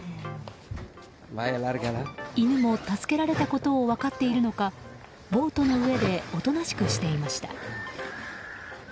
犬も助けられたことを分かっているのかボートの上でおとなしくしていました。